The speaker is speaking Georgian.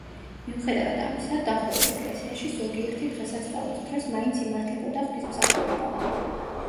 მიუხედავად ამისა, დახურულ ეკლესიაში ზოგიერთი დღესასწაულის დროს მაინც იმართებოდა ღვთისმსახურება.